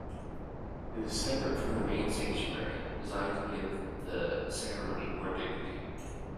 It is separate from the main sanctuary, designed to give the ceremony more dignity.